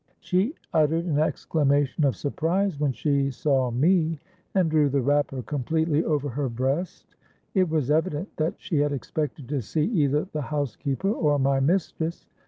She uttered an exclamation of surprise when she saw me, and drew the wrapper completely over her breast. It was evident that she had expected to see either the housekeeper or my mistress.